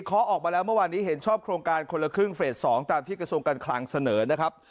เขาออกมาแล้วเมื่อวานนี้เห็นชอบโครงการคนละครึ่งเฟส๒ตามที่กระทรวงการคลังเสนอนะครับ